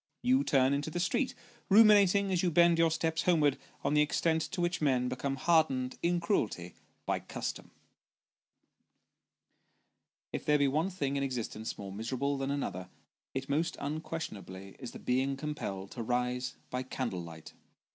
You turn into the street, ruminating as you bend your steps homewards on the extent to which men become hardened in cruelty, by custom. If there be one thing in existence more miserable than another, it most unquestionably is the being compelled to rise by candle light.